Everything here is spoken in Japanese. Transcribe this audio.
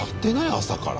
朝から。